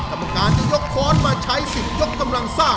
กรรมการจะยกคอนมาใช้๑๐ยกกำลังซ่า